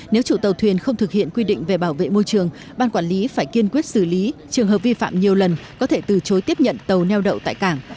nếu chủ tàu thuyền không thực hiện quy định về bảo vệ môi trường ban quản lý phải kiên quyết xử lý trường hợp vi phạm nhiều lần có thể từ chối tiếp nhận tàu neo đậu tại cảng